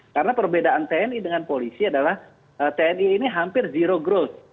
karena perbedaan tni dengan polisi adalah tni ini hampir zero growth